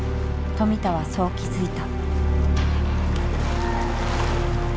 富田はそう気付いた。